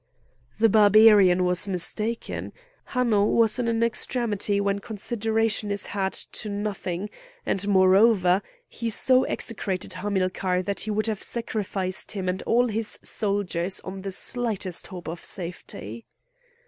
The Barbarian was mistaken; Hanno was in an extremity when consideration is had to nothing, and, moreover, he so execrated Hamilcar that he would have sacrificed him and all his soldiers on the slightest hope of safety.